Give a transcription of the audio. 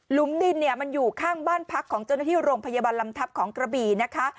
มดินเนี่ยมันอยู่ข้างบ้านพักของเจ้าหน้าที่โรงพยาบาลลำทัพของกระบี่นะคะ